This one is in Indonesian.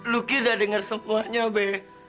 lu ki udah dengar semuanya be